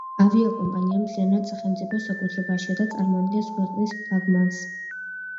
ავიაკომპანია მთლიანად სახელმწიფოს საკუთრებაშია და წარმოადგენს ქვეყნის ფლაგმანს.